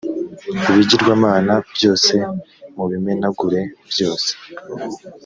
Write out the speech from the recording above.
ibigirwamana byose mu bimenagure byose